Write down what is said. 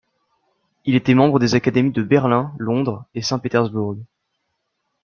Il était membre des académies de Berlin, Londres, et Saint Petersbourg.